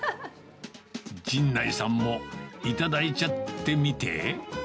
陣内さんも頂いちゃってみて。